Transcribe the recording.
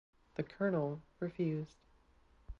The colonel refused.